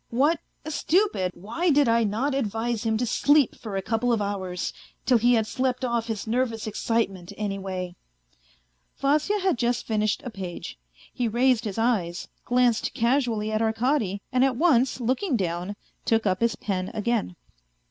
. what a stupid ! Why did I not advise him to sleep for a couple of hours, till he had slept off his nervous excitement, any way." Vasya had just finished a page, he raised his eyes, glanced casually at Arkady and at once, looking down, took up his pen again.